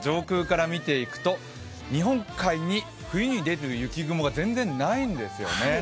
今の日本の空、上空から見ていくと日本海に冬を告げる雲が全然ないんですね。